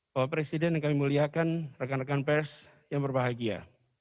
bapak presiden yang kami muliakan rekan rekan pers yang berbahagia